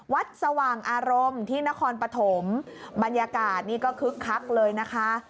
สว่างอารมณ์ที่นครปฐมบรรยากาศนี่ก็คึกคักเลยนะคะ